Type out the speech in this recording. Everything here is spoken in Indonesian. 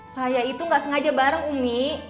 saya itu gak sengaja bareng umi